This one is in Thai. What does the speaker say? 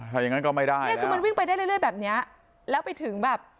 ถ้าอย่างนั้นก็ไม่ได้เนี่ยคือมันวิ่งไปได้เรื่อยแบบเนี้ยแล้วไปถึงแบบ